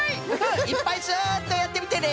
いっぱいスッとやってみてね！